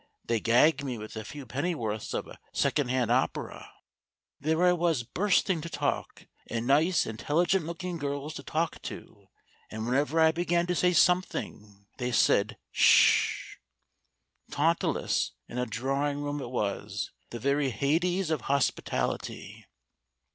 They gag me with a few pennyworths of second hand opera. There I was bursting to talk, and nice, intelligent looking girls to talk to, and whenever I began to say something they said 'Sssh!' Tantalus in a drawing room it was the very Hades of hospitality.